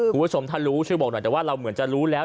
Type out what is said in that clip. คุณผู้ชมถ้ารู้ช่วยบอกหน่อยแต่ว่าเราเหมือนจะรู้แล้ว